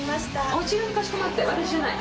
あちらにかしこまって、私じゃない。